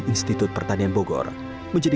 institut pertanian bogor menjadi